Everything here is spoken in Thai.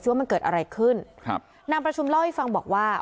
ว่ามันเกิดอะไรขึ้นครับนางประชุมเล่าให้ฟังบอกว่า